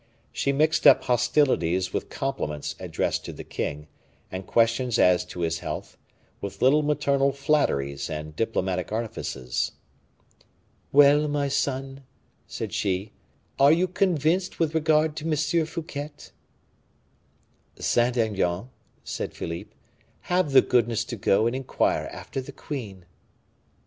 She mixed up hostilities with compliments addressed to the king, and questions as to his health, with little maternal flatteries and diplomatic artifices. "Well, my son," said she, "are you convinced with regard to M. Fouquet?" "Saint Aignan," said Philippe, "have the goodness to go and inquire after the queen."